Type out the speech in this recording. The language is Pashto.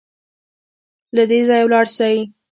له دې ځايه ولاړ سئ